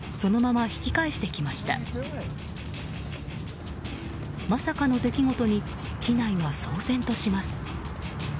まさかの出来事に機内は騒然とします。